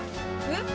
えっ？